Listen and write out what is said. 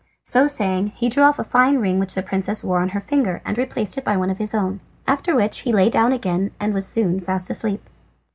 So saying he drew off a fine ring which the princess wore on her finger, and replaced it by one of his own. After which he lay down again and was soon fast asleep.